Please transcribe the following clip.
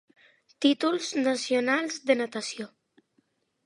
Títols nacionals de natació.